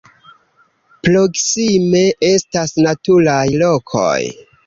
Proksime estas naturaj lokoj.